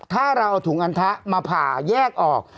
ถ้าเราเอาถุงอันทะมาผ่าแยกออก